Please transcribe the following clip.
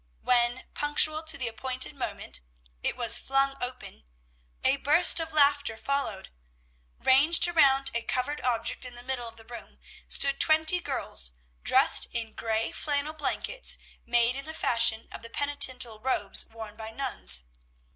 When, punctual to the appointed moment, it was flung open, a burst of laughter followed. Ranged around a covered object in the middle of the room stood twenty girls, dressed in gray flannel blankets made in the fashion of the penitential robes worn by nuns.